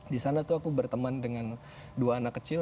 di sana tuh aku berteman dengan dua anak kecil